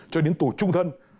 cho đến tù trung thân